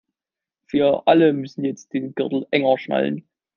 Wir alle müssen jetzt den Gürtel enger schnallen.